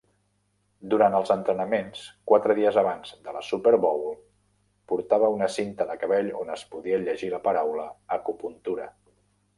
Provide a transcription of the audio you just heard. Durant els entrenaments quatre dies abans de la Super Bowl, portava una cinta de cabell on es podia llegir la paraula "Acupuntura".